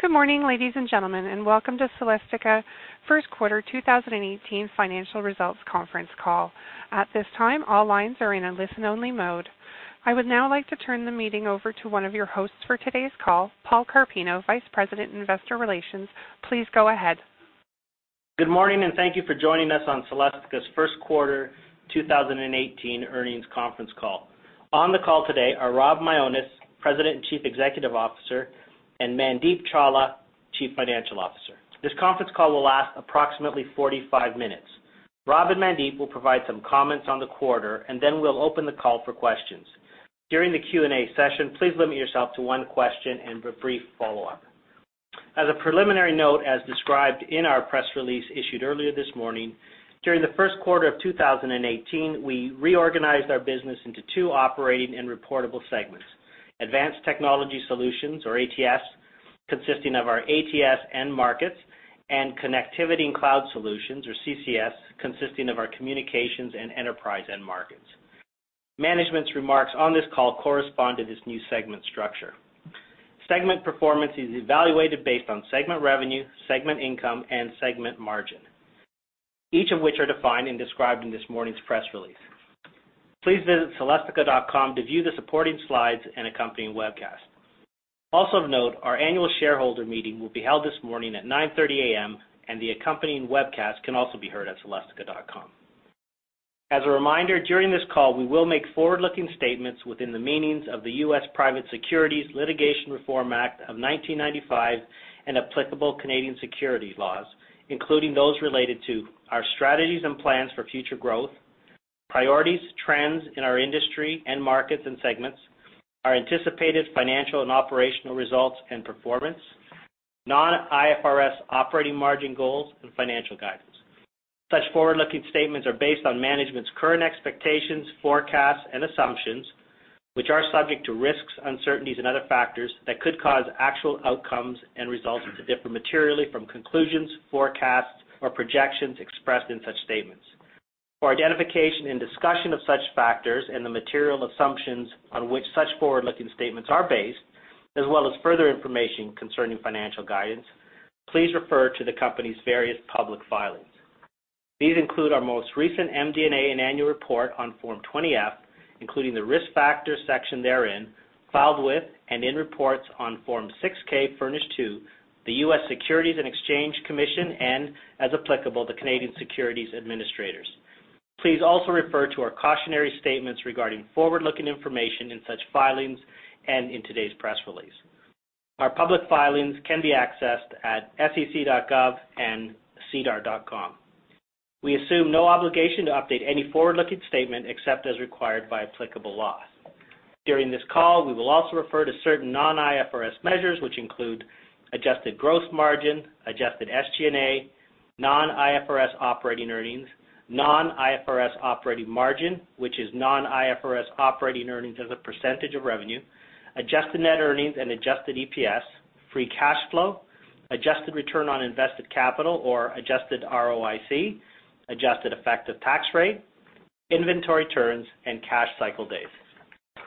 Good morning, ladies and gentlemen, and welcome to Celestica First Quarter 2018 Financial Results Conference Call. At this time, all lines are in a listen-only mode. I would now like to turn the meeting over to one of your hosts for today's call, Paul Carpino, Vice President, Investor Relations. Please go ahead. Good morning, thank you for joining us on Celestica's first quarter 2018 earnings conference call. On the call today are Rob Mionis, President and Chief Executive Officer, and Mandeep Chawla, Chief Financial Officer. This conference call will last approximately 45 minutes. Rob and Mandeep will provide some comments on the quarter, then we'll open the call for questions. During the Q&A session, please limit yourself to one question and a brief follow-up. As a preliminary note, as described in our press release issued earlier this morning, during the first quarter of 2018, we reorganized our business into two operating and reportable segments, Advanced Technology Solutions, or ATS, consisting of our ATS end markets, and Connectivity and Cloud Solutions, or CCS, consisting of our communications and enterprise end markets. Management's remarks on this call correspond to this new segment structure. Segment performance is evaluated based on segment revenue, segment income, and segment margin, each of which are defined and described in this morning's press release. Please visit celestica.com to view the supporting slides and accompanying webcast. Also of note, our annual shareholder meeting will be held this morning at 9:30 A.M., and the accompanying webcast can also be heard at celestica.com. As a reminder, during this call, we will make forward-looking statements within the meanings of the U.S. Private Securities Litigation Reform Act of 1995 and applicable Canadian securities laws, including those related to our strategies and plans for future growth, priorities, trends in our industry, end markets, and segments, our anticipated financial and operational results and performance, non-IFRS operating margin goals and financial guidance. Such forward-looking statements are based on management's current expectations, forecasts, and assumptions, which are subject to risks, uncertainties, and other factors that could cause actual outcomes and results to differ materially from conclusions, forecasts, or projections expressed in such statements. For identification and discussion of such factors and the material assumptions on which such forward-looking statements are based, as well as further information concerning financial guidance, please refer to the company's various public filings. These include our most recent MD&A and annual report on Form 20-F, including the risk factors section therein, filed with and in reports on Form 6-K furnished to the U.S. Securities and Exchange Commission and, as applicable, the Canadian securities administrators. Please also refer to our cautionary statements regarding forward-looking information in such filings and in today's press release. Our public filings can be accessed at sec.gov and sedar.com. We assume no obligation to update any forward-looking statement except as required by applicable law. During this call, we will also refer to certain non-IFRS measures, which include adjusted gross margin, adjusted SG&A, non-IFRS operating earnings, non-IFRS operating margin, which is non-IFRS operating earnings as a percentage of revenue, adjusted net earnings and adjusted EPS, free cash flow, adjusted return on invested capital or adjusted ROIC, adjusted effective tax rate, inventory turns, and cash cycle days.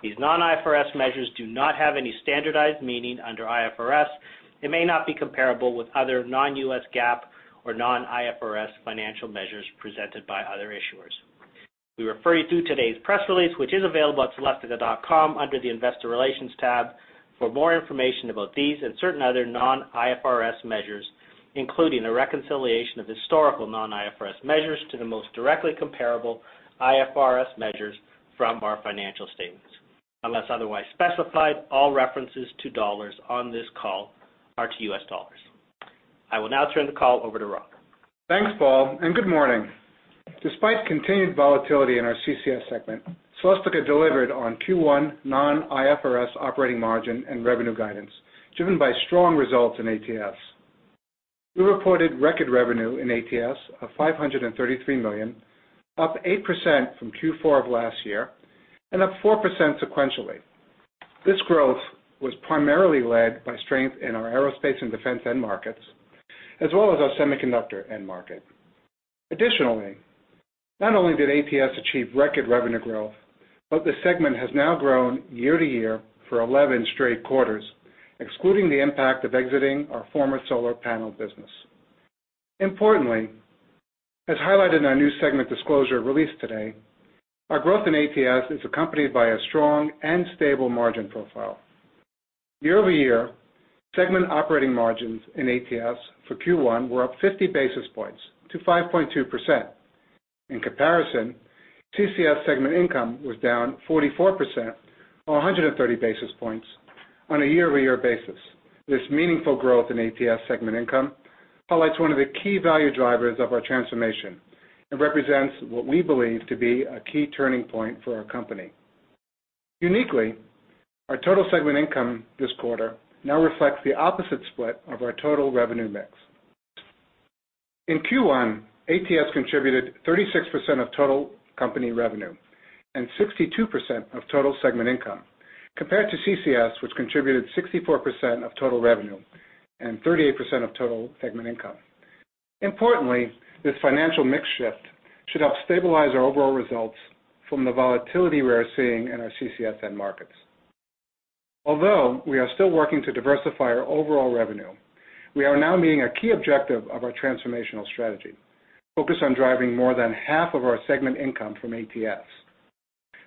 These non-IFRS measures do not have any standardized meaning under IFRS and may not be comparable with other non-U.S. GAAP or non-IFRS financial measures presented by other issuers. We refer you to today's press release, which is available at celestica.com under the Investor Relations tab for more information about these and certain other non-IFRS measures, including a reconciliation of historical non-IFRS measures to the most directly comparable IFRS measures from our financial statements. Unless otherwise specified, all references to dollars on this call are to U.S. dollars. I will now turn the call over to Rob. Thanks, Paul, and good morning. Despite continued volatility in our CCS segment, Celestica delivered on Q1 non-IFRS operating margin and revenue guidance, driven by strong results in ATS. We reported record revenue in ATS of $533 million, up 8% from Q4 of last year and up 4% sequentially. This growth was primarily led by strength in our Aerospace and Defense end markets, as well as our semiconductor end market. Additionally, not only did ATS achieve record revenue growth, but the segment has now grown year-over-year for 11 straight quarters, excluding the impact of exiting our former solar panel business. Importantly, as highlighted in our new segment disclosure released today, our growth in ATS is accompanied by a strong and stable margin profile. Year-over-year, segment operating margins in ATS for Q1 were up 50 basis points to 5.2%. In comparison, CCS segment income was down 44% or 130 basis points on a year-over-year basis. This meaningful growth in ATS segment income highlights one of the key value drivers of our transformation and represents what we believe to be a key turning point for our company. Uniquely, our total segment income this quarter now reflects the opposite split of our total revenue mix. In Q1, ATS contributed 36% of total company revenue and 62% of total segment income, compared to CCS, which contributed 64% of total revenue and 38% of total segment income. Importantly, this financial mix shift should help stabilize our overall results from the volatility we are seeing in our CCS end markets. Although we are still working to diversify our overall revenue, we are now meeting a key objective of our transformational strategy focused on driving more than half of our segment income from ATS.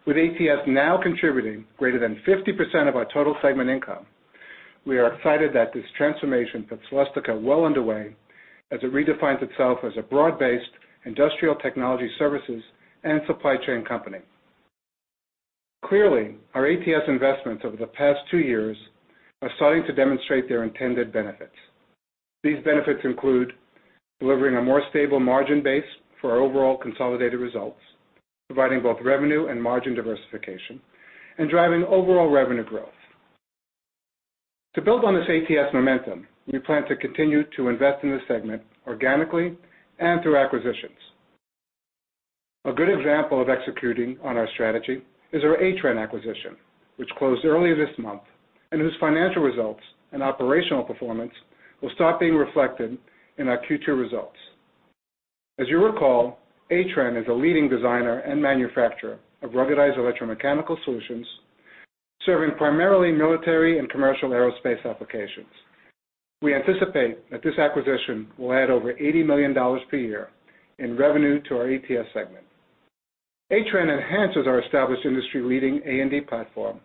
With ATS now contributing greater than 50% of our total segment income, we are excited that this transformation puts Celestica well underway as it redefines itself as a broad-based industrial technology services and supply chain company. Clearly, our ATS investments over the past two years are starting to demonstrate their intended benefits. These benefits include delivering a more stable margin base for our overall consolidated results, providing both revenue and margin diversification, and driving overall revenue growth. To build on this ATS momentum, we plan to continue to invest in this segment organically and through acquisitions. A good example of executing on our strategy is our Atrenne acquisition, which closed earlier this month, and whose financial results and operational performance will start being reflected in our future results. As you recall, Atrenne is a leading designer and manufacturer of ruggedized electromechanical solutions, serving primarily military and commercial aerospace applications. We anticipate that this acquisition will add over $80 million per year in revenue to our ATS segment. Atrenne enhances our established industry-leading A&D platform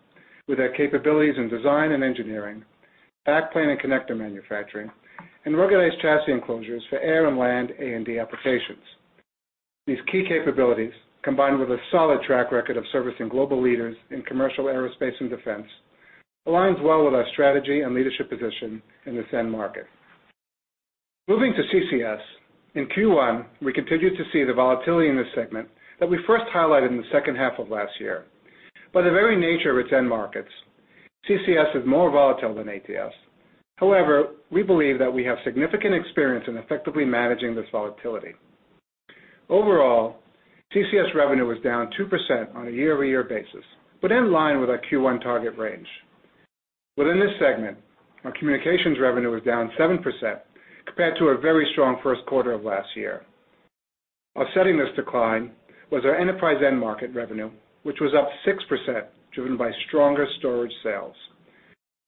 with our capabilities in design and engineering, backplane and connector manufacturing, and ruggedized chassis enclosures for air and land A&D applications. These key capabilities, combined with a solid track record of servicing global leaders in commercial Aerospace and Defense, aligns well with our strategy and leadership position in this end market. Moving to CCS. In Q1, we continued to see the volatility in this segment that we first highlighted in the second half of last year. By the very nature of its end markets, CCS is more volatile than ATS. However, we believe that we have significant experience in effectively managing this volatility. Overall, CCS revenue was down 2% on a year-over-year basis, but in line with our Q1 target range. Within this segment, our communications revenue was down 7% compared to our very strong first quarter of last year. Offsetting this decline was our enterprise end market revenue, which was up 6%, driven by stronger storage sales.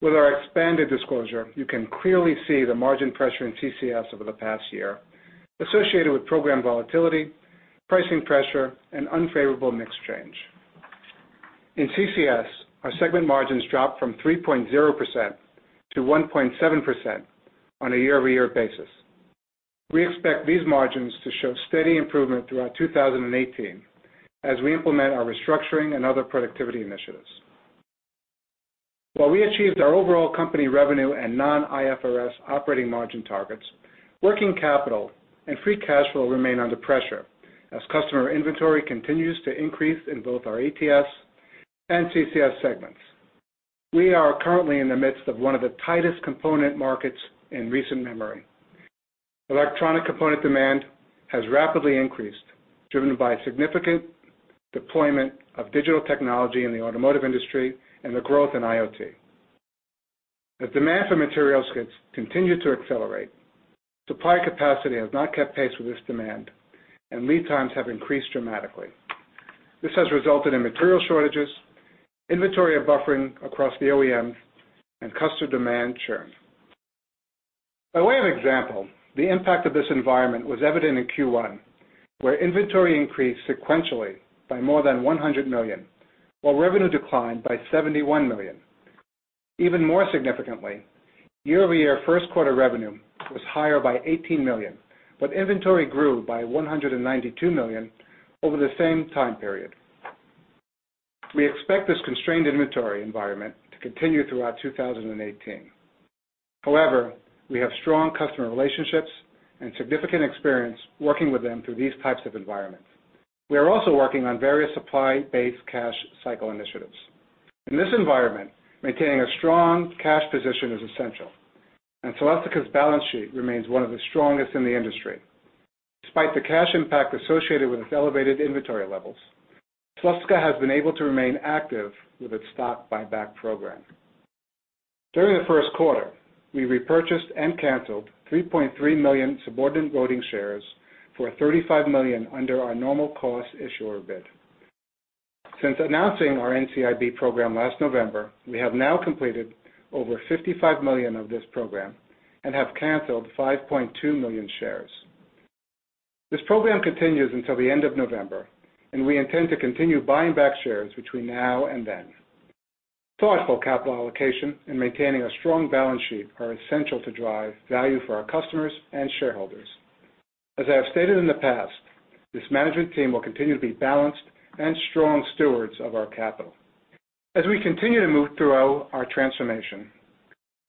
With our expanded disclosure, you can clearly see the margin pressure in CCS over the past year associated with program volatility, pricing pressure, and unfavorable mix change. In CCS, our segment margins dropped from 3.0% to 1.7% on a year-over-year basis. We expect these margins to show steady improvement throughout 2018 as we implement our restructuring and other productivity initiatives. While we achieved our overall company revenue and non-IFRS operating margin targets, working capital and free cash flow remain under pressure as customer inventory continues to increase in both our ATS and CCS segments. We are currently in the midst of one of the tightest component markets in recent memory. Electronic component demand has rapidly increased, driven by significant deployment of digital technology in the automotive industry and the growth in IoT. The demand for materials has continued to accelerate. Supply capacity has not kept pace with this demand, and lead times have increased dramatically. This has resulted in material shortages, inventory of buffering across the OEM, and customer demand churn. By way of example, the impact of this environment was evident in Q1, where inventory increased sequentially by more than $100 million, while revenue declined by $71 million. Even more significantly, year-over-year first quarter revenue was higher by $18 million, but inventory grew by $192 million over the same time period. We expect this constrained inventory environment to continue throughout 2018. However, we have strong customer relationships and significant experience working with them through these types of environments. We are also working on various supply-based cash cycle initiatives. In this environment, maintaining a strong cash position is essential, and Celestica's balance sheet remains one of the strongest in the industry. Despite the cash impact associated with its elevated inventory levels, Celestica has been able to remain active with its stock buyback program. During the first quarter, we repurchased and canceled $3.3 million subordinate voting shares for $35 million under our normal course issuer bid. Since announcing our NCIB program last November, we have now completed over $55 million of this program and have canceled 5.2 million shares. This program continues until the end of November, and we intend to continue buying back shares between now and then. Thoughtful capital allocation and maintaining a strong balance sheet are essential to drive value for our customers and shareholders. As I have stated in the past, this management team will continue to be balanced and strong stewards of our capital. As we continue to move throughout our transformation,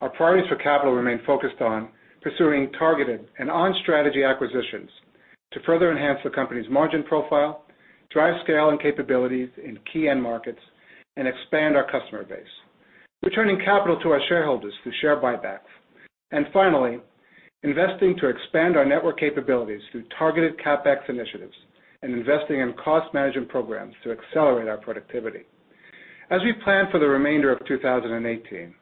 our priorities for capital remain focused on pursuing targeted and on-strategy acquisitions to further enhance the company's margin profile, drive scale and capabilities in key end markets, and expand our customer base, returning capital to our shareholders through share buybacks, and finally, investing to expand our network capabilities through targeted CapEx initiatives and investing in cost management programs to accelerate our productivity. As we plan for the remainder of 2018,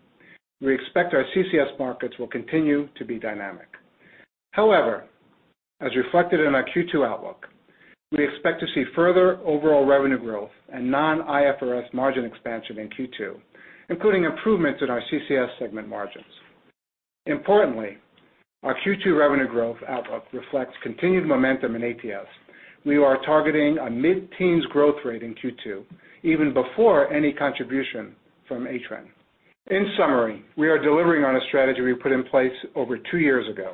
we expect our CCS markets will continue to be dynamic. However, as reflected in our Q2 outlook, we expect to see further overall revenue growth and non-IFRS margin expansion in Q2, including improvements in our CCS segment margins. Importantly, our Q2 revenue growth outlook reflects continued momentum in ATS. We are targeting a mid-teens growth rate in Q2, even before any contribution from Atrenne. In summary, we are delivering on a strategy we put in place over two years ago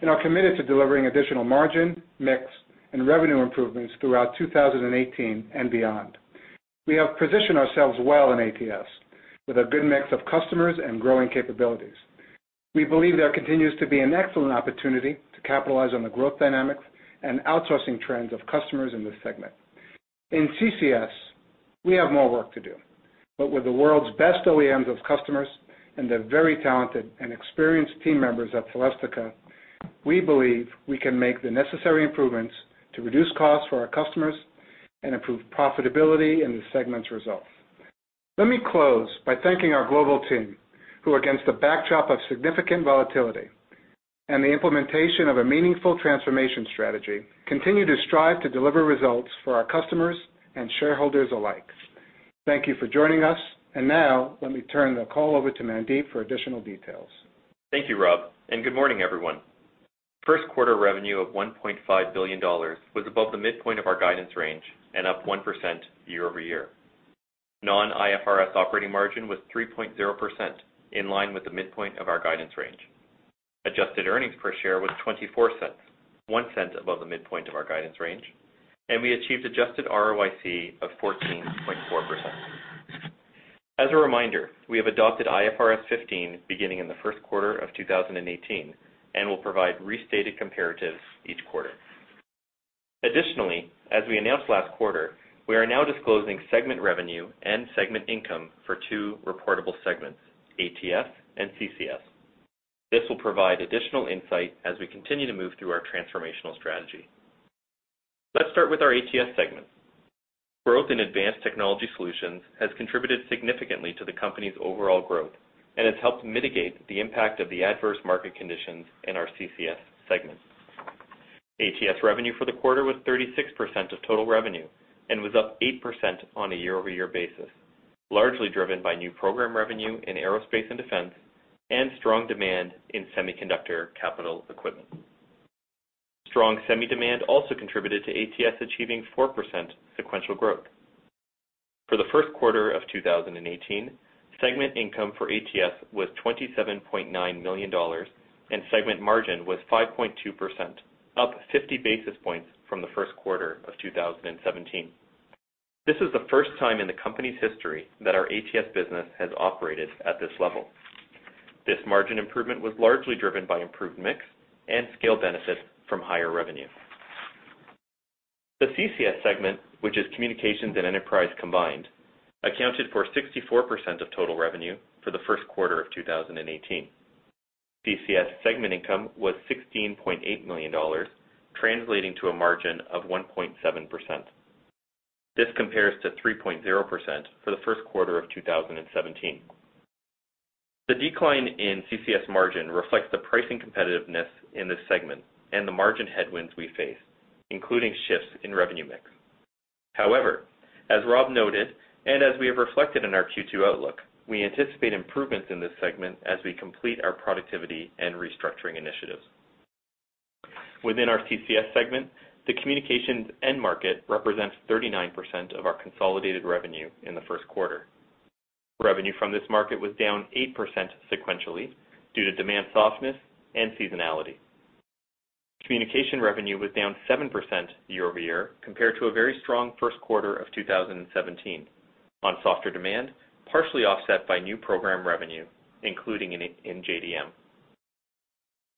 and are committed to delivering additional margin, mix, and revenue improvements throughout 2018 and beyond. We have positioned ourselves well in ATS with a good mix of customers and growing capabilities. We believe there continues to be an excellent opportunity to capitalize on the growth dynamics and outsourcing trends of customers in this segment. In CCS, we have more work to do. With the world's best OEMs of customers and the very talented and experienced team members at Celestica, we believe we can make the necessary improvements to reduce costs for our customers and improve profitability in the segment's results. Let me close by thanking our global team, who against the backdrop of significant volatility and the implementation of a meaningful transformation strategy, continue to strive to deliver results for our customers and shareholders alike. Thank you for joining us. Now, let me turn the call over to Mandeep for additional details. Thank you, Rob, and good morning, everyone. First quarter revenue of $1.5 billion was above the midpoint of our guidance range and up 1% year-over-year. Non-IFRS operating margin was 3.0%, in line with the midpoint of our guidance range. Adjusted earnings per share was $0.24, $0.01 above the midpoint of our guidance range, and we achieved adjusted ROIC of 14.4%. As a reminder, we have adopted IFRS 15 beginning in the first quarter of 2018 and will provide restated comparatives each quarter. Additionally, as we announced last quarter, we are now disclosing segment revenue and segment income for two reportable segments, ATS and CCS. This will provide additional insight as we continue to move through our transformational strategy. Let's start with our ATS segment. Growth in Advanced Technology Solutions has contributed significantly to the company's overall growth and has helped mitigate the impact of the adverse market conditions in our CCS segment. ATS revenue for the quarter was 36% of total revenue and was up 8% on a year-over-year basis, largely driven by new program revenue in Aerospace and Defense and strong demand in semiconductor capital equipment. Strong semi demand also contributed to ATS achieving 4% sequential growth. For the first quarter of 2018, segment income for ATS was $27.9 million, and segment margin was 5.2%, up 50 basis points from the first quarter of 2017. This is the first time in the company's history that our ATS business has operated at this level. This margin improvement was largely driven by improved mix and scale benefit from higher revenue. The CCS segment, which is communications and enterprise combined, accounted for 64% of total revenue for the first quarter of 2018. CCS segment income was $16.8 million, translating to a margin of 1.7%. This compares to 3.0% for the first quarter of 2017. The decline in CCS margin reflects the pricing competitiveness in this segment and the margin headwinds we face, including shifts in revenue mix. However, as Rob noted, as we have reflected in our Q2 outlook, we anticipate improvements in this segment as we complete our productivity and restructuring initiatives. Within our CCS segment, the communications end market represents 39% of our consolidated revenue in the first quarter. Revenue from this market was down 8% sequentially due to demand softness and seasonality. Communication revenue was down 7% year-over-year, compared to a very strong first quarter of 2017 on softer demand, partially offset by new program revenue, including in JDM.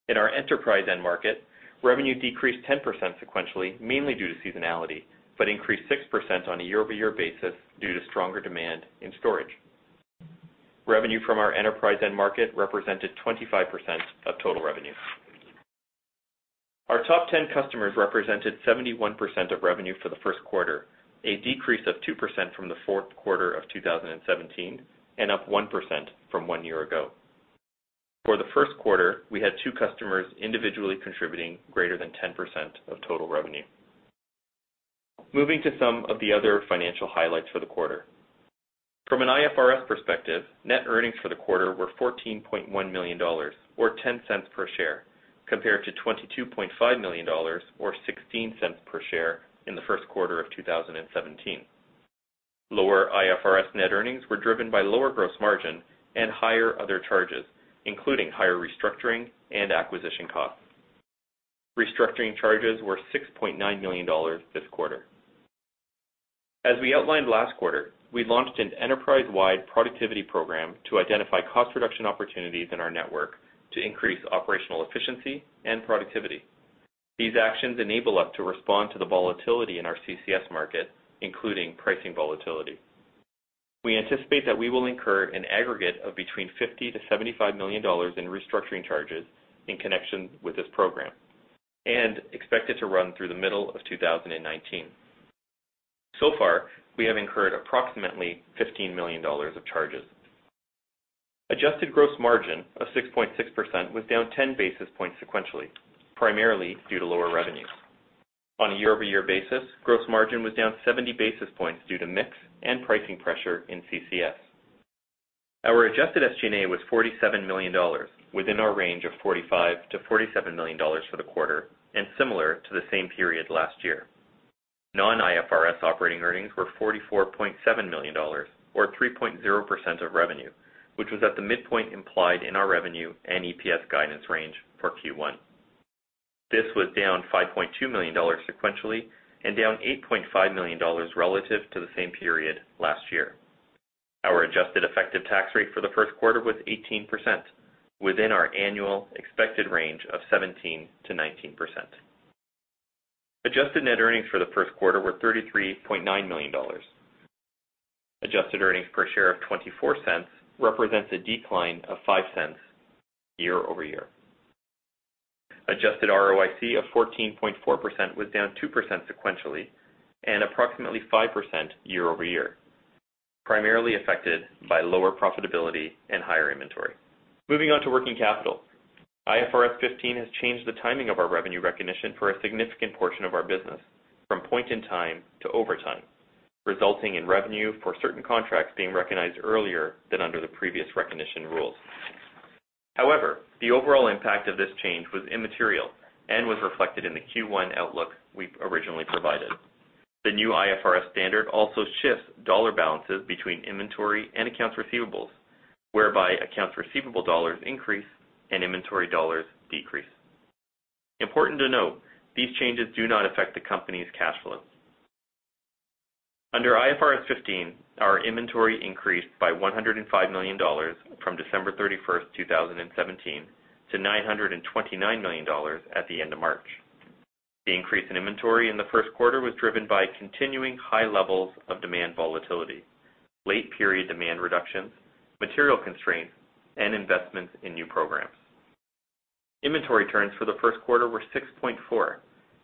In our enterprise end market, revenue decreased 10% sequentially, mainly due to seasonality, but increased 6% on a year-over-year basis due to stronger demand in storage. Revenue from our enterprise end market represented 25% of total revenue. Our top 10 customers represented 71% of revenue for the first quarter, a decrease of 2% from the fourth quarter of 2017 and up 1% from one year ago. For the first quarter, we had two customers individually contributing greater than 10% of total revenue. Moving to some of the other financial highlights for the quarter. From an IFRS perspective, net earnings for the quarter were $14.1 million, or $0.10 per share, compared to $22.5 million or $0.16 per share in the first quarter of 2017. Lower IFRS net earnings were driven by lower gross margin and higher other charges, including higher restructuring and acquisition costs. Restructuring charges were $6.9 million this quarter. As we outlined last quarter, we launched an enterprise-wide productivity program to identify cost reduction opportunities in our network to increase operational efficiency and productivity. These actions enable us to respond to the volatility in our CCS market, including pricing volatility. We anticipate that we will incur an aggregate of between $50 million-$75 million in restructuring charges in connection with this program. Expect it to run through the middle of 2019. So far, we have incurred approximately $15 million of charges. Adjusted gross margin of 6.6% was down 10 basis points sequentially, primarily due to lower revenues. On a year-over-year basis, gross margin was down 70 basis points due to mix and pricing pressure in CCS. Our adjusted SG&A was $47 million, within our range of $45 million-$47 million for the quarter, and similar to the same period last year. Non-IFRS operating earnings were $44.7 million, or 3.0% of revenue, which was at the midpoint implied in our revenue and EPS guidance range for Q1. This was down $5.2 million sequentially and down $8.5 million relative to the same period last year. Our adjusted effective tax rate for the first quarter was 18%, within our annual expected range of 17%-19%. Adjusted net earnings for the first quarter were $33.9 million. Adjusted earnings per share of $0.24 represents a decline of $0.05 year-over-year. Adjusted ROIC of 14.4% was down 2% sequentially and approximately 5% year-over-year, primarily affected by lower profitability and higher inventory. Moving on to working capital. IFRS 15 has changed the timing of our revenue recognition for a significant portion of our business from point in time to over time, resulting in revenue for certain contracts being recognized earlier than under the previous recognition rules. However, the overall impact of this change was immaterial and was reflected in the Q1 outlook we originally provided. The new IFRS standard also shifts dollar balances between inventory and accounts receivables, whereby accounts receivable dollars increase and inventory dollars decrease. Important to note, these changes do not affect the company's cash flows. Under IFRS 15, our inventory increased by $105 million from December 31, 2017, to $929 million at the end of March. The increase in inventory in the first quarter was driven by continuing high levels of demand volatility, late-period demand reductions, material constraints, and investments in new programs. Inventory turns for the first quarter were 6.4,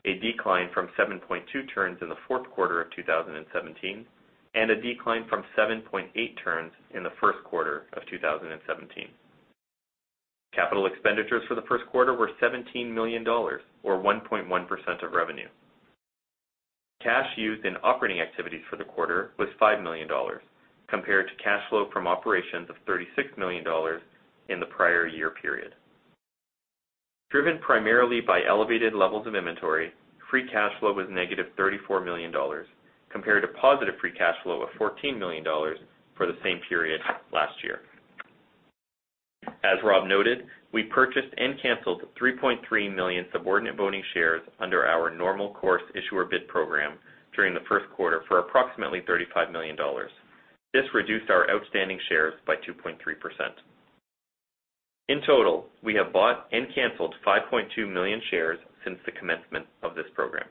a decline from 7.2 turns in the fourth quarter of 2017, and a decline from 7.8 turns in the first quarter of 2017. Capital expenditures for the first quarter were $17 million, or 1.1% of revenue. Cash used in operating activities for the quarter was $5 million, compared to cash flow from operations of $36 million in the prior year period. Driven primarily by elevated levels of inventory, free cash flow was negative $34 million, compared to positive free cash flow of $14 million for the same period last year. As Rob noted, we purchased and canceled 3.3 million subordinate voting shares under our normal course issuer bid program during the first quarter for approximately $35 million. This reduced our outstanding shares by 2.3%. In total, we have bought and canceled 5.2 million shares since the commencement of this program.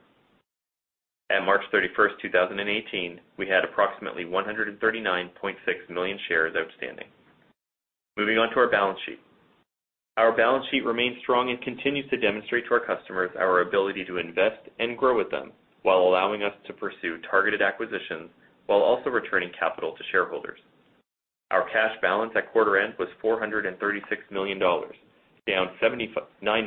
At March 31st, 2018, we had approximately 139.6 million shares outstanding. Moving on to our balance sheet. Our balance sheet remains strong and continues to demonstrate to our customers our ability to invest and grow with them, while allowing us to pursue targeted acquisitions, while also returning capital to shareholders. Our cash balance at quarter end was $436 million, down $79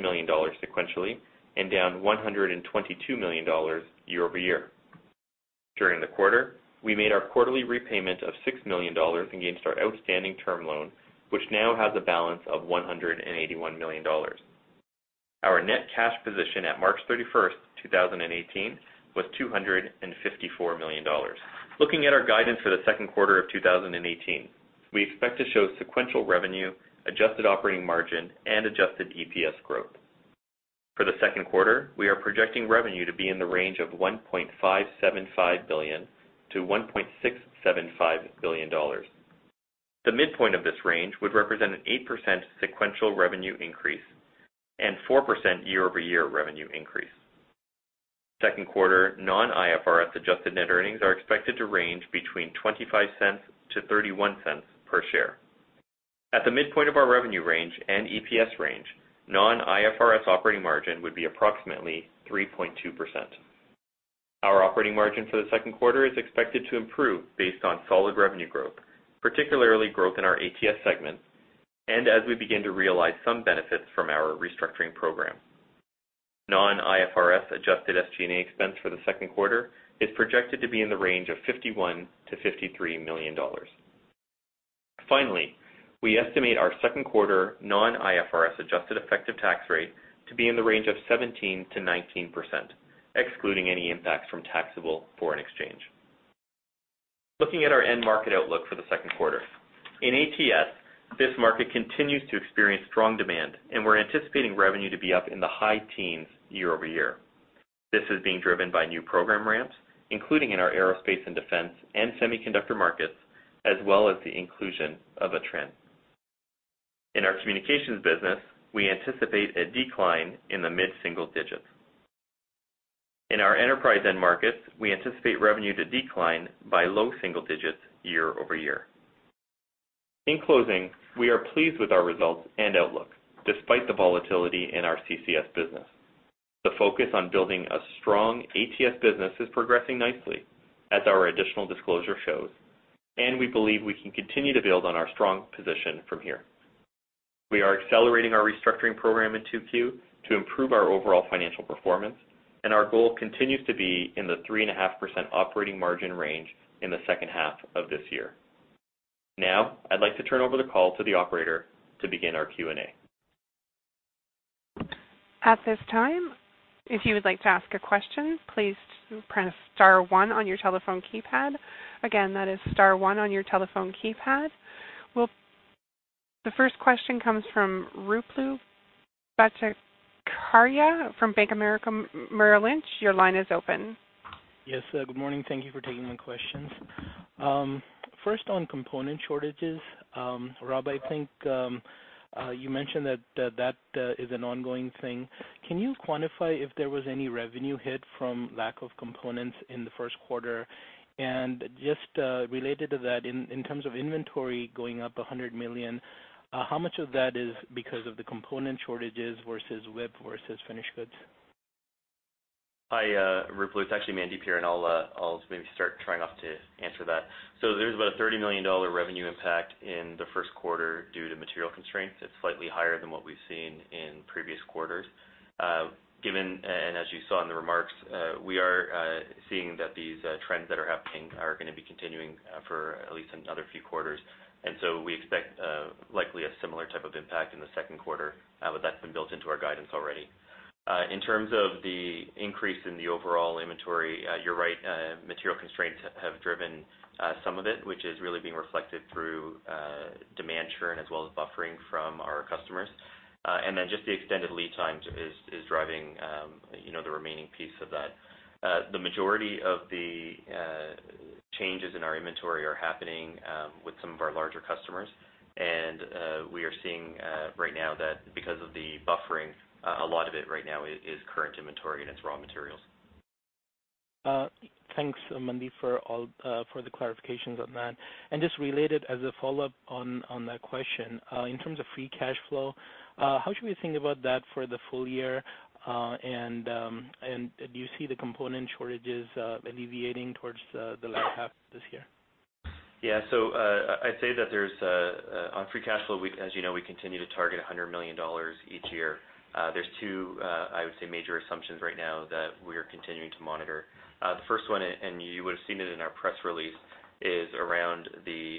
million sequentially and down $122 million year-over-year. During the quarter, we made our quarterly repayment of $6 million against our outstanding term loan, which now has a balance of $181 million. Our net cash position at March 31st, 2018, was $254 million. Looking at our guidance for the second quarter of 2018, we expect to show sequential revenue, adjusted operating margin, and adjusted EPS growth. For the second quarter, we are projecting revenue to be in the range of $1.575 billion-$1.675 billion. The midpoint of this range would represent an 8% sequential revenue increase and 4% year-over-year revenue increase. Second quarter non-IFRS adjusted net earnings are expected to range between $0.25-$0.31 per share. At the midpoint of our revenue range and EPS range, non-IFRS operating margin would be approximately 3.2%. Our operating margin for the second quarter is expected to improve based on solid revenue growth, particularly growth in our ATS segment, and as we begin to realize some benefits from our restructuring program. Non-IFRS adjusted SG&A expense for the second quarter is projected to be in the range of $51 million-$53 million. Finally, we estimate our second quarter non-IFRS adjusted effective tax rate to be in the range of 17%-19%, excluding any impact from taxable foreign exchange. Looking at our end market outlook for the second quarter. In ATS, this market continues to experience strong demand, and we're anticipating revenue to be up in the high teens year-over-year. This is being driven by new program ramps, including in our Aerospace and Defense and semiconductor markets, as well as the inclusion of Atrenne. In our communications business, we anticipate a decline in the mid-single digits. In our enterprise end markets, we anticipate revenue to decline by low single digits year-over-year. In closing, we are pleased with our results and outlook despite the volatility in our CCS business. The focus on building a strong ATS business is progressing nicely, as our additional disclosure shows, and we believe we can continue to build on our strong position from here. We are accelerating our restructuring program in 2Q to improve our overall financial performance. Our goal continues to be in the 3.5% operating margin range in the second half of this year. Now, I'd like to turn over the call to the operator to begin our Q&A. At this time, if you would like to ask a question, please press star one on your telephone keypad. Again, that is star one on your telephone keypad. The first question comes from Ruplu Bhattacharya from Bank of America Merrill Lynch. Your line is open. Yes. Good morning. Thank you for taking my questions. First, on component shortages, Rob, I think you mentioned that is an ongoing thing. Can you quantify if there was any revenue hit from lack of components in the first quarter? And just related to that, in terms of inventory going up $100 million, how much of that is because of the component shortages versus WIP versus finished goods? Hi, Ruplu. It's actually Mandeep here, I'll maybe start trying off to answer that. There's about a $30 million revenue impact in the first quarter due to material constraints. It's slightly higher than what we've seen in previous quarters. Given, as you saw in the remarks, we are seeing that these trends that are happening are going to be continuing for at least another few quarters. We expect likely a similar type of impact in the second quarter, but that's been built into our guidance already. In terms of the increase in the overall inventory, you're right, material constraints have driven some of it, which is really being reflected through demand churn as well as buffering from our customers. Just the extended lead times is driving the remaining piece of that. The majority of the changes in our inventory are happening with some of our larger customers, we are seeing right now that because of the buffering, a lot of it right now is current inventory and its raw materials. Thanks, Mandeep, for the clarifications on that. Just related as a follow-up on that question, in terms of free cash flow, how should we think about that for the full year? Do you see the component shortages alleviating towards the latter half of this year? I'd say that on free cash flow, as you know, we continue to target $100 million each year. There's two, I would say, major assumptions right now that we are continuing to monitor. The first one, and you would've seen it in our press release, is around the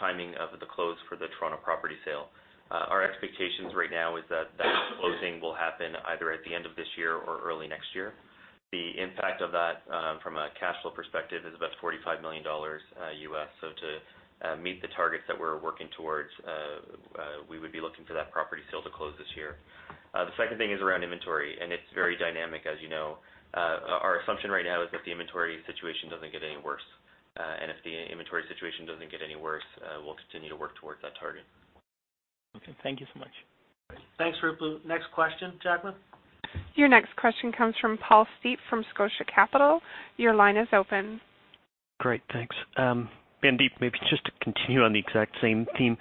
timing of the close for the Toronto property sale. Our expectations right now is that that closing will happen either at the end of this year or early next year. The impact of that from a cash flow perspective is about $45 million. To meet the targets that we're working towards, we would be looking for that property sale to close this year. The second thing is around inventory, and it's very dynamic as you know. Our assumption right now is that the inventory situation doesn't get any worse. If the inventory situation doesn't get any worse, we'll continue to work towards that target. Okay. Thank you so much. Thanks, Ruplu. Next question, Jacqueline. Your next question comes from Paul Steep from Scotia Capital. Your line is open. Great. Thanks. Mandeep, maybe just to continue on the exact same theme.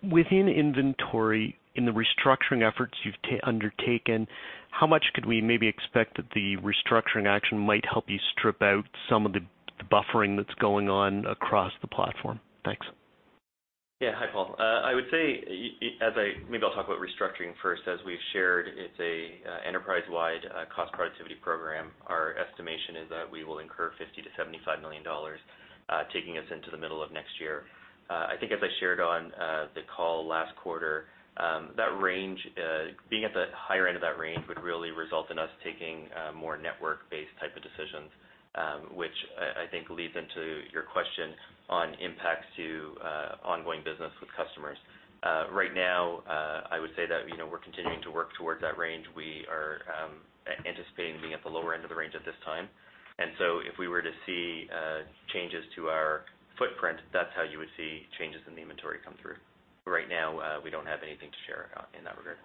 Within inventory in the restructuring efforts you've undertaken, how much could we maybe expect that the restructuring action might help you strip out some of the buffering that's going on across the platform? Thanks. Yeah. Hi, Paul. Maybe I'll talk about restructuring first. As we've shared, it's an enterprise-wide cost productivity program. Our estimation is that we will incur $50 million-$75 million, taking us into the middle of next year. I think as I shared on the call last quarter, being at the higher end of that range would really result in us taking more network-based type of decisions, which I think leads into your question on impacts to ongoing business with customers. Right now, I would say that we're continuing to work towards that range. We are anticipating being at the lower end of the range at this time. If we were to see changes to our footprint, that's how you would see changes in the inventory come through. Right now, we don't have anything to share in that regard.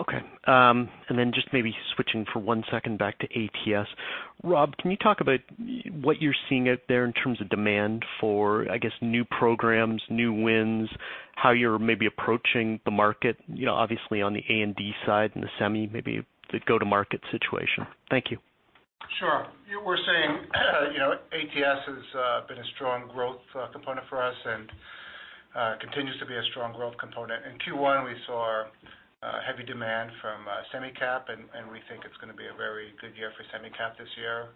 Okay. Just maybe switching for one second back to ATS. Rob, can you talk about what you're seeing out there in terms of demand for, I guess, new programs, new wins, how you're maybe approaching the market, obviously on the A&D side and the semi, maybe the go-to-market situation? Thank you. Sure. We're saying ATS has been a strong growth component for us and continues to be a strong growth component. In Q1, we saw heavy demand from Semicap, we think it's going to be a very good year for Semicap this year.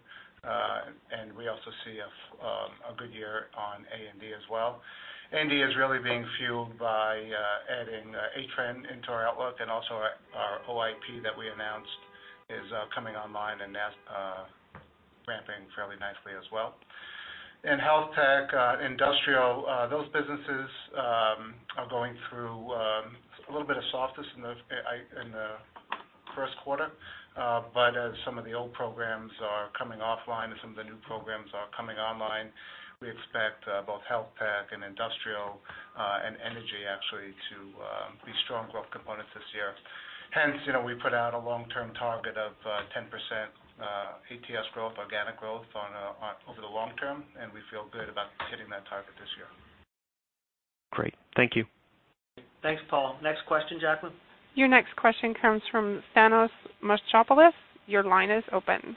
We also see a good year on A&D as well. A&D is really being fueled by adding Atrenne into our outlook, also our OIP that we announced is coming online and ramping fairly nicely as well. In HealthTech, Industrial, those businesses are going through a little bit of softness in the first quarter, as some of the old programs are coming offline and some of the new programs are coming online, we expect both HealthTech and Industrial Energy, actually, to be strong growth components this year. Hence, we put out a long-term target of 10% ATS growth, organic growth over the long term, we feel good about hitting that target this year. Great. Thank you. Thanks, Paul. Next question, Jacqueline. Your next question comes from Thanos Moschopoulos. Your line is open.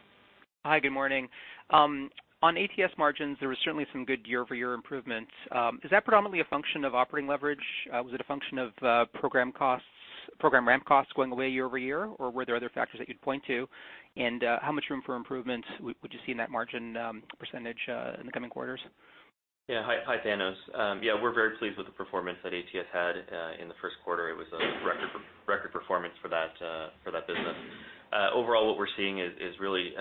Hi, good morning. On ATS margins, there was certainly some good year-over-year improvements. Is that predominantly a function of operating leverage? Was it a function of program ramp costs going away year-over-year, or were there other factors that you'd point to? How much room for improvements would you see in that margin % in the coming quarters? Yeah. Hi, Thanos. Yeah, we're very pleased with the performance that ATS had in the first quarter. It was a record performance for that business. Overall, what we're seeing is really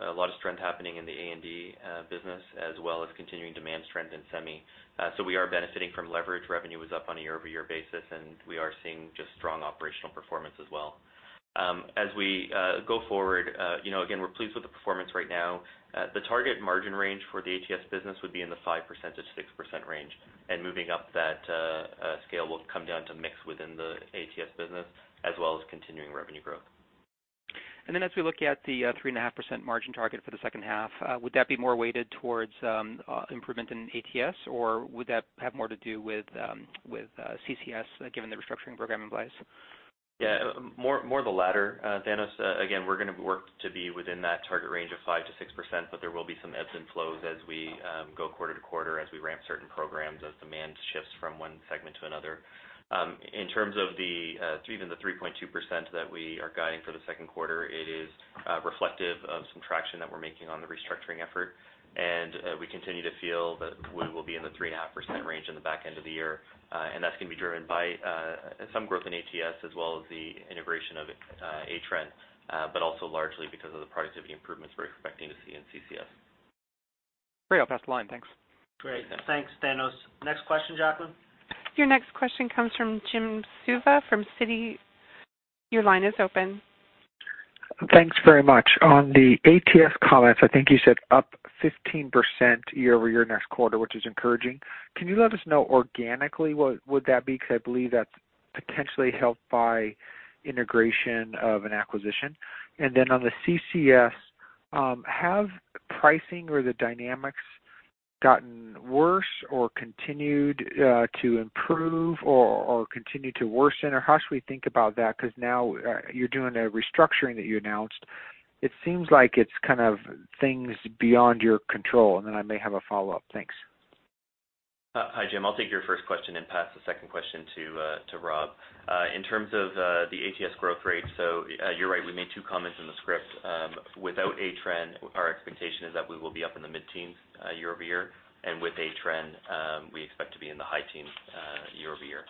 a lot of strength happening in the A&D business, as well as continuing demand strength in semi. We are benefiting from leverage. Revenue was up on a year-over-year basis, we are seeing just strong operational performance as well. We go forward, again, we're pleased with the performance right now. The target margin range for the ATS business would be in the 5%-6% range, Moving up that scale will come down to mix within the ATS business, as well as continuing revenue growth. As we look at the 3.5% margin target for the second half, would that be more weighted towards improvement in ATS, or would that have more to do with CCS, given the restructuring program in place? Yeah, more the latter, Thanos. Again, we're going to work to be within that target range of 5%-6%, but there will be some ebbs and flows as we go quarter-to-quarter, as we ramp certain programs, as demand shifts from one segment to another. In terms of even the 3.2% that we are guiding for the second quarter, it is reflective of some traction that we're making on the restructuring effort, and we continue to feel that we will be in the 3.5% range in the back end of the year. That's going to be driven by some growth in ATS as well as the integration of Atrenne, but also largely because of the productivity improvements we're expecting to see in CCS. Very well. Pass the line, thanks. Great. Thanks, Thanos. Next question, Jacqueline. Your next question comes from Jim Suva from Citi. Your line is open. Thanks very much. On the ATS comments, I think you said up 15% year-over-year next quarter, which is encouraging. Can you let us know organically what would that be? Because I believe that's potentially helped by integration of an acquisition. On the CCS, have pricing or the dynamics gotten worse or continued to improve or continued to worsen, or how should we think about that? Because now you're doing a restructuring that you announced. It seems like it's kind of things beyond your control. I may have a follow-up. Thanks. Hi, Jim. I'll take your first question and pass the second question to Rob. In terms of the ATS growth rate, you're right, we made two comments in the script. Without Atrenne, our expectation is that we will be up in the mid-teens year-over-year, and with Atrenne, we expect to be in the high teens year-over-year.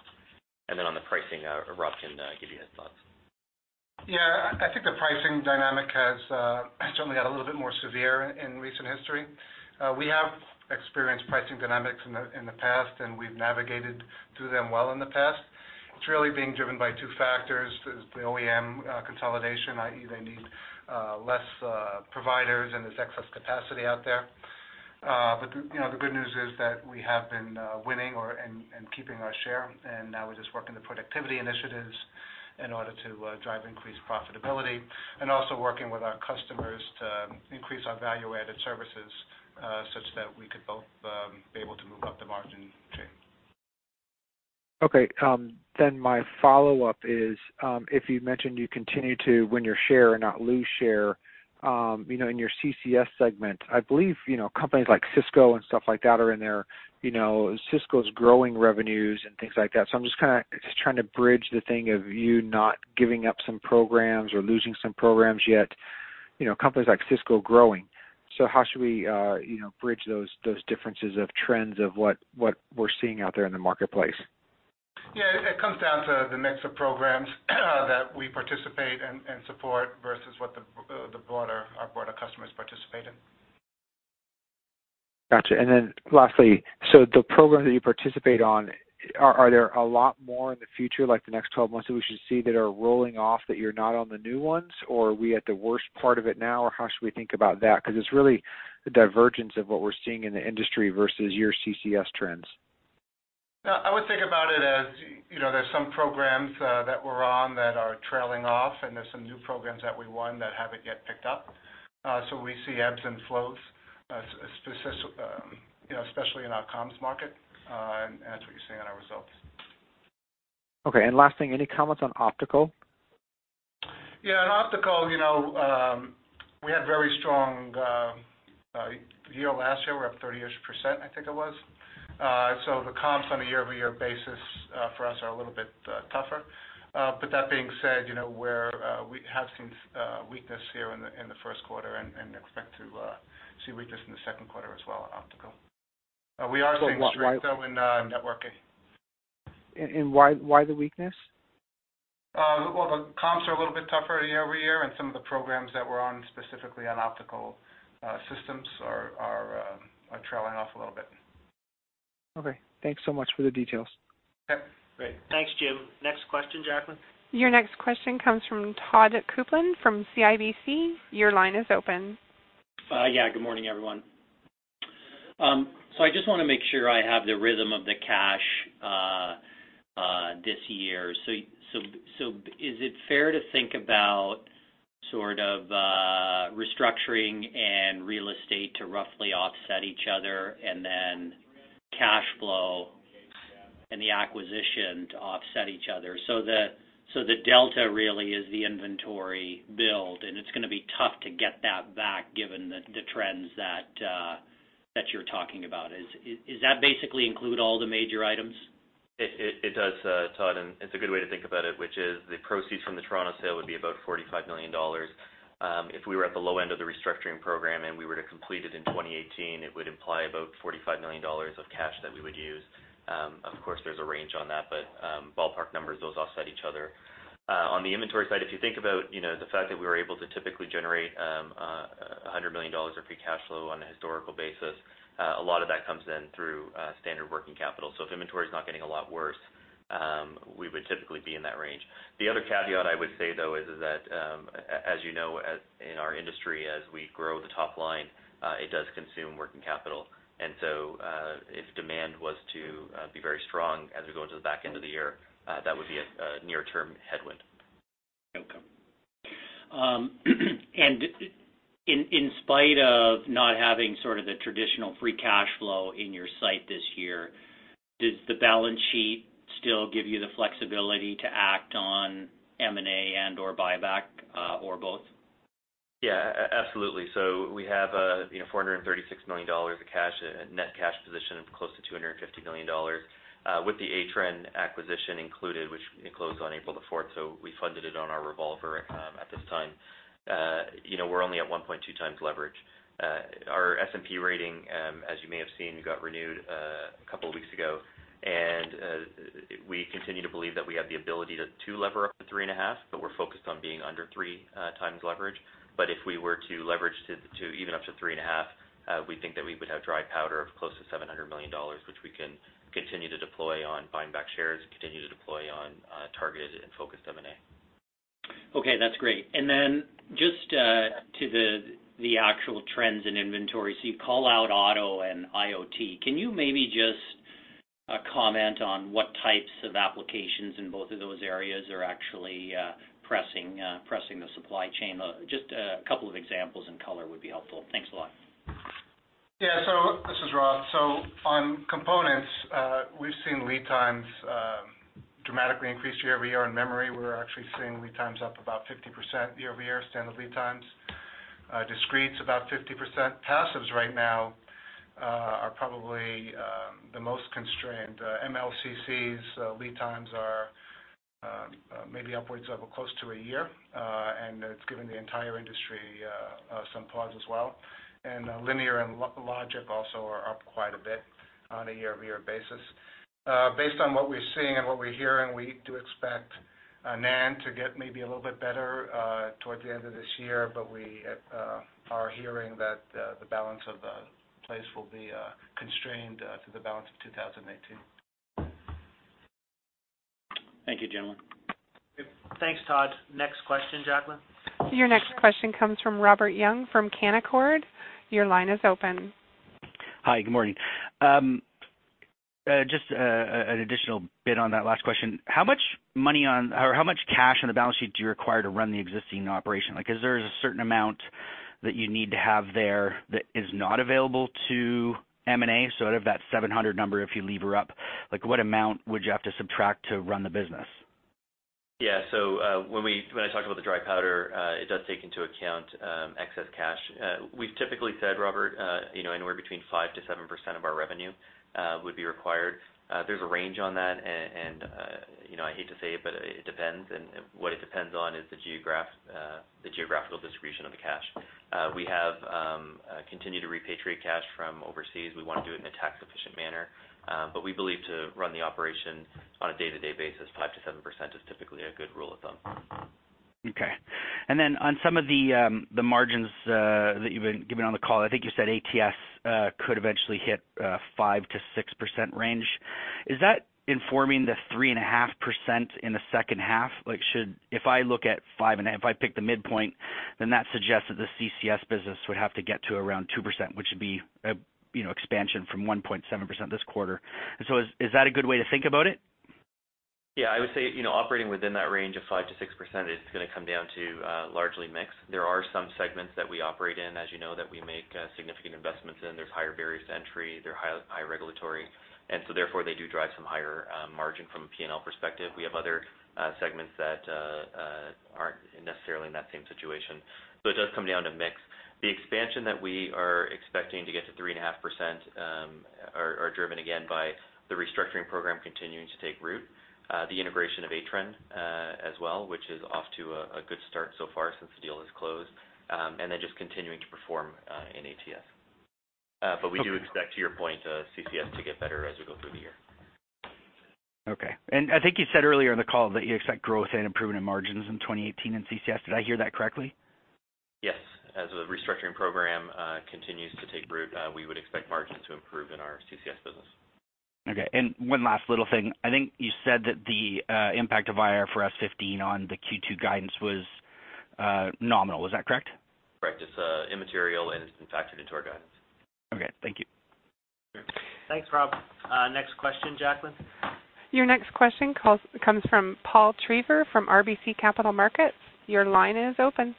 On the pricing, Rob can give you his thoughts. Yeah, I think the pricing dynamic has certainly got a little bit more severe in recent history. We have experienced pricing dynamics in the past, and we've navigated through them well in the past. It's really being driven by two factors. There's the OEM consolidation, i.e., they need less providers and there's excess capacity out there. The good news is that we have been winning and keeping our share, and now we're just working the productivity initiatives in order to drive increased profitability and also working with our customers to increase our value-added services such that we could both be able to move up the margin chain. My follow-up is, if you mentioned you continue to win your share and not lose share in your CCS segment, I believe companies like Cisco and stuff like that are in there. Cisco's growing revenues and things like that. I'm just trying to bridge the thing of you not giving up some programs or losing some programs yet, companies like Cisco growing. How should we bridge those differences of trends of what we're seeing out there in the marketplace? Yeah, it comes down to the mix of programs that we participate in and support versus what our broader customers participate in. Got you. Lastly, the programs that you participate on, are there a lot more in the future, like the next 12 months, that we should see that are rolling off, that you're not on the new ones, or are we at the worst part of it now, or how should we think about that? Because it's really the divergence of what we're seeing in the industry versus your CCS trends. I would think about it as there's some programs that we're on that are trailing off, and there's some new programs that we won that haven't yet picked up. We see ebbs and flows, especially in our comms market, and that's what you're seeing in our results. Okay, last thing, any comments on optical? Yeah, in optical, we had a very strong year last year. We're up 30-ish%, I think it was. The comps on a year-over-year basis for us are a little bit tougher. That being said, we have seen weakness here in the first quarter and expect to see weakness in the second quarter as well in optical. We are seeing strength, though, in networking. Why the weakness? Well, the comps are a little bit tougher year-over-year, and some of the programs that we're on, specifically on optical systems, are trailing off a little bit. Thanks so much for the details. Yep. Thanks, Jim. Next question, Jacqueline. Your next question comes from Todd Coupland from CIBC. Your line is open. Good morning, everyone. I just want to make sure I have the rhythm of the cash this year. Is it fair to think about sort of restructuring and real estate to roughly offset each other, and then cash flow and the acquisition to offset each other, so the delta really is the inventory build, and it's going to be tough to get that back given the trends that you're talking about. Does that basically include all the major items? It does, Todd, and it's a good way to think about it, which is the proceeds from the Toronto sale would be about $45 million. If we were at the low end of the restructuring program and we were to complete it in 2018, it would imply about $45 million of cash that we would use. Of course, there's a range on that, but ballpark numbers, those offset each other. On the inventory side, if you think about the fact that we were able to typically generate $100 million of free cash flow on a historical basis, a lot of that comes in through standard working capital. If inventory is not getting a lot worse, we would typically be in that range. The other caveat I would say, though, is that, as you know, in our industry, as we grow the top line, it does consume working capital. If demand was to be very strong as we go into the back end of the year, that would be a near-term headwind. Okay. In spite of not having sort of the traditional free cash flow in your site this year, does the balance sheet still give you the flexibility to act on M&A and/or buyback, or both? Yeah, absolutely. We have $436 million of cash, net cash position of close to $250 million with the Atrenne acquisition included, which closed on April the 4th, we funded it on our revolver at this time. We're only at 1.2 times leverage. Our S&P rating, as you may have seen, got renewed a couple of weeks ago, and we continue to believe that we have the ability to lever up to three and a half, we're focused on being under three times leverage. If we were to leverage to even up to three and a half, we think that we would have dry powder of close to $700 million, which we can continue to deploy on buying back shares, continue to deploy on targeted and focused M&A. That's great. Just to the actual trends in inventory, you call out auto and IoT. Can you maybe just comment on what types of applications in both of those areas are actually pressing the supply chain? Just a couple of examples and color would be helpful. Thanks a lot. Yeah. This is Rob. On components, we've seen lead times dramatically increase year-over-year. In memory, we're actually seeing lead times up about 50% year-over-year, standard lead times. Discretes about 50%. Passives right now are probably the most constrained. MLCCs lead times are maybe upwards of close to a year. It's given the entire industry some pause as well. Linear and logic also are up quite a bit on a year-over-year basis. Based on what we're seeing and what we're hearing, we do expect NAND to get maybe a little bit better towards the end of this year. We are hearing that the balance of the place will be constrained through the balance of 2018. Thank you, gentlemen. Thanks, Todd. Next question, Jacqueline. Your next question comes from Robert Young from Canaccord. Your line is open. Hi, good morning. Just an additional bit on that last question. How much money on, or how much cash on the balance sheet do you require to run the existing operation? Like is there a certain amount that you need to have there that is not available to M&A, sort of that $700 number if you lever up, like what amount would you have to subtract to run the business? Yeah, when I talked about the dry powder, it does take into account excess cash. We've typically said, Robert, anywhere between 5%-7% of our revenue would be required. There's a range on that, I hate to say it, but it depends, and what it depends on is the geographical distribution of the cash. We have continued to repatriate cash from overseas. We want to do it in a tax-efficient manner. We believe to run the operation on a day-to-day basis, 5%-7% is typically a good rule of thumb. Okay. Then on some of the margins that you've been giving on the call, I think you said ATS could eventually hit 5%-6% range. Is that informing the 3.5% in the second half? Like if I look at 5.5%, if I pick the midpoint, that suggests that the CCS business would have to get to around 2%, which would be expansion from 1.7% this quarter. Is that a good way to think about it? Yeah, I would say operating within that range of 5%-6% is going to come down to largely mix. There are some segments that we operate in, as you know, that we make significant investments in. There's higher barriers to entry, they're high regulatory, and so therefore, they do drive some higher margin from a P&L perspective. We have other segments that aren't necessarily in that same situation. It does come down to mix. The expansion that we are expecting to get to 3.5% are driven, again, by the restructuring program continuing to take root, the integration of Atrenne as well, which is off to a good start so far since the deal has closed, and then just continuing to perform in ATS. We do expect, to your point, CCS to get better as we go through the year. Okay. I think you said earlier in the call that you expect growth and improvement in margins in 2018 in CCS. Did I hear that correctly? Yes. As the restructuring program continues to take root, we would expect margins to improve in our CCS business. Okay. One last little thing. I think you said that the impact of IFRS 15 on the Q2 guidance was nominal, was that correct? Correct. Just immaterial. It's been factored into our guidance. Okay, thank you. Sure. Thanks, Rob. Next question, Jacqueline. Your next question comes from Paul Treiber from RBC Capital Markets. Your line is open.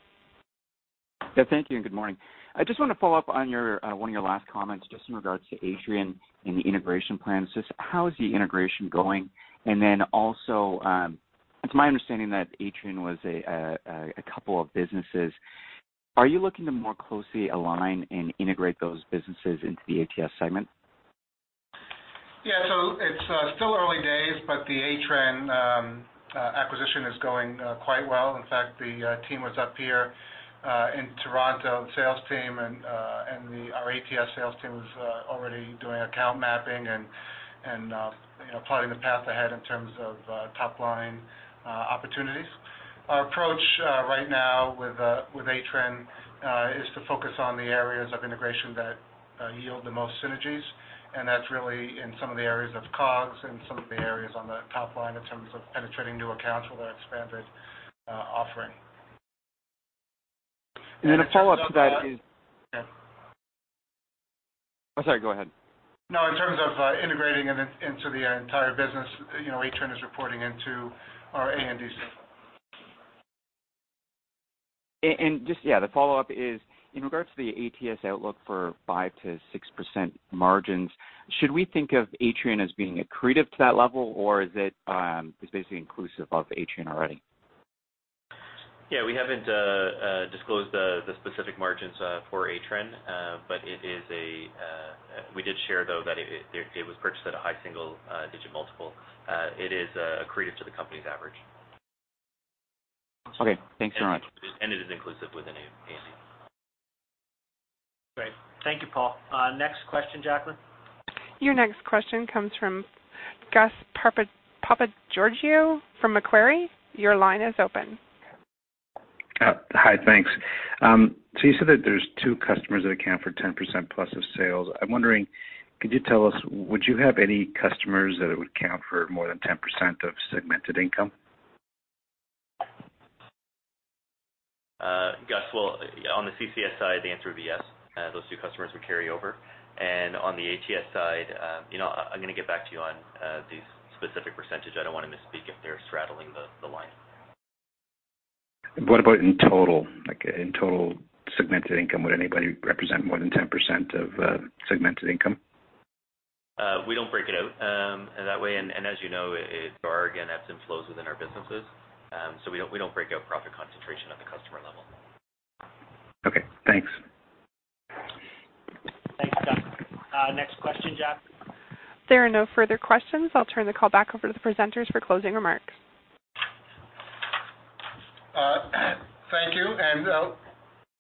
Thank you and good morning. I just want to follow up on one of your last comments in regards to Atrenne and the integration plans. How is the integration going? Also, it's my understanding that Atrenne was a couple of businesses. Are you looking to more closely align and integrate those businesses into the ATS segment? It's still early days, but the Atrenne acquisition is going quite well. In fact, the team was up here in Toronto, the sales team, and our ATS sales team was already doing account mapping and plotting the path ahead in terms of top-line opportunities. Our approach right now with Atrenne is to focus on the areas of integration that yield the most synergies, and that's really in some of the areas of COGS and some of the areas on the top line in terms of penetrating new accounts with our expanded offering. A follow-up to that is. Yeah. Sorry, go ahead. No, in terms of integrating it into the entire business, Atrenne is reporting into our A&D segment. Just, yeah, the follow-up is, in regards to the ATS outlook for 5%-6% margins, should we think of Atrenne as being accretive to that level, or is it basically inclusive of Atrenne already? Yeah, we haven't disclosed the specific margins for Atrenne. We did share, though, that it was purchased at a high single-digit multiple. It is accretive to the company's average. Okay, thanks very much. It is inclusive within A&D. Great. Thank you, Paul. Next question, Jacqueline. Your next question comes from Gus Papadopoulou from Macquarie. Your line is open. Hi, thanks. You said that there's two customers that account for 10% plus of sales. I'm wondering, could you tell us, would you have any customers that would account for more than 10% of segmented income? Gus, well, on the CCS side, the answer would be yes. Those two customers would carry over. On the ATS side, I'm going to get back to you on the specific percentage. I don't want to misspeak if they're straddling the line. What about in total segmented income? Would anybody represent more than 10% of segmented income? We don't break it out that way. As you know, our, again, EPS flows within our businesses. We don't break out profit concentration at the customer level. Okay, thanks. Thanks, Gus. Next question, Jacqueline. There are no further questions. I'll turn the call back over to the presenters for closing remarks. Thank you.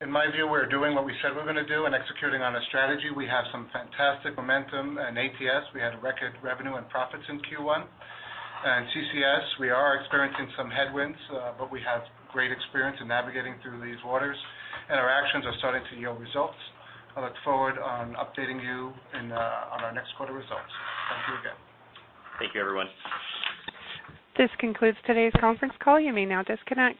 In my view, we're doing what we said we're going to do and executing on a strategy. We have some fantastic momentum in ATS. We had record revenue and profits in Q1. In CCS, we are experiencing some headwinds, but we have great experience in navigating through these waters, and our actions are starting to yield results. I look forward on updating you on our next quarter results. Thank you again. Thank you, everyone. This concludes today's conference call. You may now disconnect.